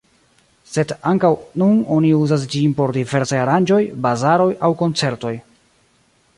Sed ankaŭ nun oni uzas ĝin por diversaj aranĝoj, bazaroj aŭ koncertoj.